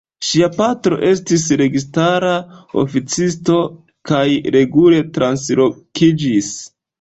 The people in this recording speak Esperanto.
Ŝia patro estis registara oficisto kaj regule translokiĝis.